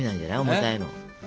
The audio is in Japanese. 重たいの。